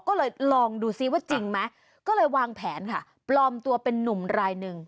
ก็เลยลองดูซิว่าจริงไหมก็เลยวางแผนค่ะปลอมตัวเป็นนุ่มรายหนึ่ง